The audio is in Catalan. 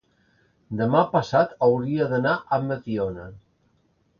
demà passat hauria d'anar a Mediona.